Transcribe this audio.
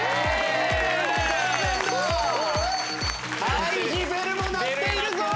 ＩＧベルも鳴っているぞ！